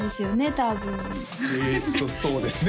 多分えっとそうですね